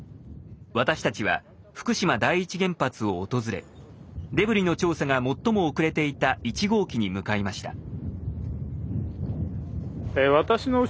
私たちは福島第一原発を訪れデブリの調査が最も遅れていた１号機に向かいました。